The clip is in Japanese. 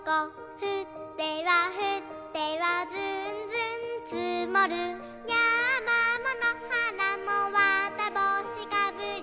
「ふってはふってはずんずんつもる」「やまものはらもわたぼうしかぶり」